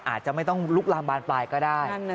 อาจจะไม่ต้องลุกลามบานปลายก็ได้